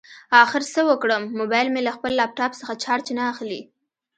اخر څه وکړم؟ مبایل مې له خپل لاپټاپ څخه چارج نه اخلي